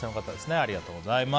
ありがとうございます。